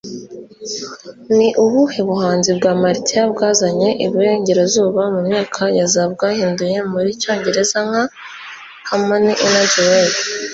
Ni ubuhe buhanzi bwa Martial bwazanye iburengerazuba mu myaka ya za bwahinduye mu cyongereza nka “Harmony Energy Way”